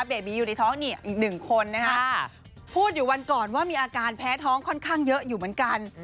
เบบีอยู่ในท้องนี่อีกหนึ่งคนนะฮะพูดอยู่วันก่อนว่ามีอาการแพ้ท้องค่อนข้างเยอะอยู่เหมือนกัน